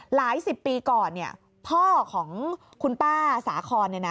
หลายสิบปีก่อนเนี่ยพ่อของคุณป้าสาครเนี่ยนะ